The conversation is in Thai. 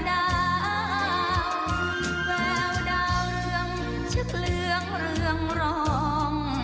แววดาวเรืองชึกเรืองเรืองรอง